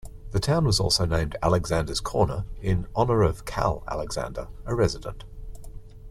The town was also named Alexander's Corner in honor of Cal Alexander, a resident.